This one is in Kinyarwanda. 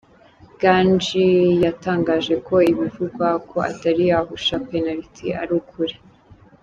Gangi yatangaje ko ibivugwa ko atari yahusha penaliti ari ukuri.